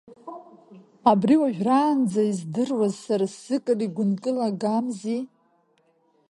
Абри уажәраанӡа издыруазар сара сзы кыр игәынкылагамзи!